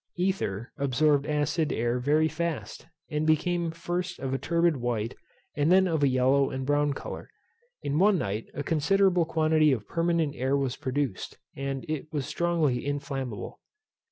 Ether absorbed acid air very fast, and became first of a turbid white, and then of a yellow and brown colour. In one night a considerable quantity of permanent air was produced, and it was strongly inflammable.